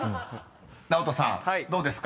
［ＮＡＯＴＯさんどうですか？